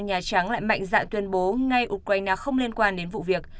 nha trang lại mạnh dạng tuyên bố ngay ukraine không liên quan đến vụ việc